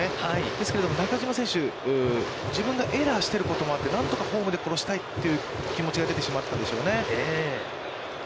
ですけれども、中島選手、自分がエラーしてることもあって、何とかホームで殺したいという気持ちが出てしまったんでしょうね。